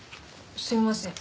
すみません。